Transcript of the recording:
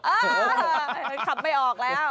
อ้าวขำไปออกแล้ว